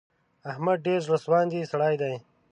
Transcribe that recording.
احمد ډېر زړه سواندی سړی دی.